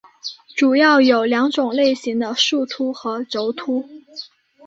主要有两种类型的树突和轴突。